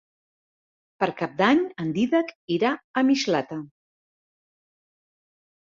Per Cap d'Any en Dídac irà a Mislata.